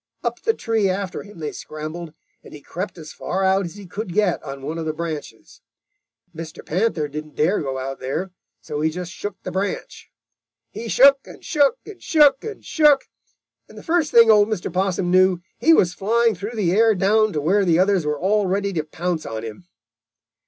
Up the tree after him they scrambled, and he crept as far out as he could get on one of the branches. Mr. Panther didn't dare go out there, so he just shook the branch. He shook and shook and shook and shook, and the first thing old Mr. Possum knew, he was flying through the air down to where the others were all ready to pounce on him.